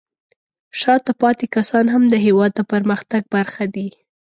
شاته پاتې کسان هم د هېواد د پرمختګ برخه دي.